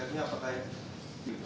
apa yang saya tahu itu lalu